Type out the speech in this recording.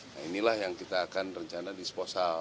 nah inilah yang kita akan rencana disposal